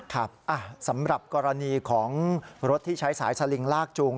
ครับสำหรับกรณีของรถที่ใช้สายสลิงลากจูง